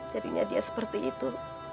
jadinya dia seperti itu